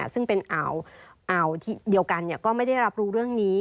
ซึ่งเป็นอ่าวเดียวกันก็ไม่ได้รับรู้เรื่องนี้